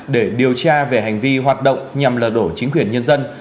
để điều tra về hành vi hoạt động nhằm lật đổ chính quyền nhân dân